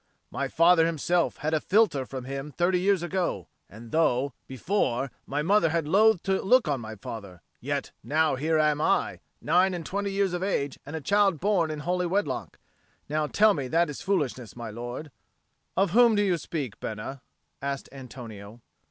My father himself had a philtre from him thirty years ago; and though, before, my mother had loathed to look on my father, yet now here am I, nine and twenty years of age and a child born in holy wedlock. Never tell me that it is foolishness, my lord!" "Of whom do you speak, Bena?" asked Antonio.